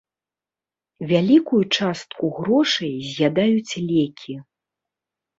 Вялікую частку грошай з'ядаюць лекі.